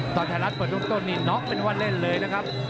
ไทยรัฐเปิดเริ่มต้นนี่น็อกเป็นว่าเล่นเลยนะครับ